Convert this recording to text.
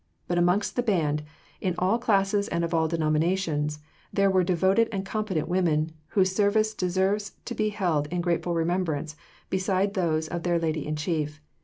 But amongst the band, in all classes and of all denominations, there were devoted and competent women, whose services deserve to be held in grateful remembrance beside those of their Lady in Chief.